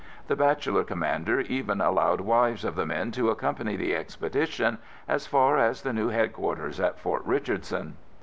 The bachelor commander even allowed wives of the men to accompany the expedition as far as the new headquarters at Fort Richardson.